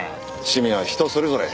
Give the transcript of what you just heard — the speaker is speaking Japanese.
趣味は人それぞれ。